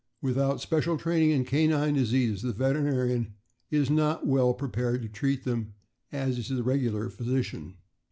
without special training in canine diseases the veterinarian is not as well prepared to treat them as is the regular physi cian.